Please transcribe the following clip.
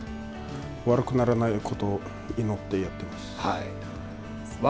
悪くならないことを祈ってやってます。